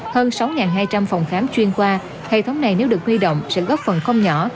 hơn sáu hai trăm linh phòng khám chuyên khoa hệ thống này nếu được huy động sẽ góp phần không nhỏ